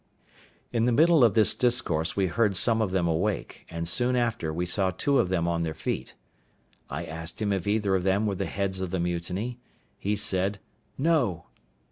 In the middle of this discourse we heard some of them awake, and soon after we saw two of them on their feet. I asked him if either of them were the heads of the mutiny? He said, "No."